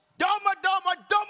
どどーもどーも！